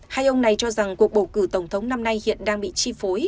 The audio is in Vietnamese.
hai ông này cho rằng cuộc bầu cử tổng thống năm nay hiện đang bị chi phối